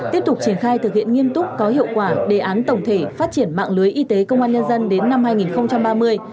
tiếp tục triển khai thực hiện nghiêm túc có hiệu quả đề án tổng thể phát triển mạng lưới y tế công an nhân dân đến năm hai nghìn ba mươi